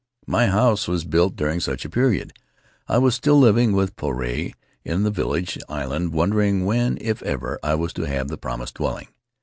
My house was built during such a period. I was still living with Puarei on the village island, wondering when, if ever, I was to have the promised dwelling.